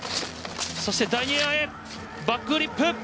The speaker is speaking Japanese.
そして第２エアへバックフリップ！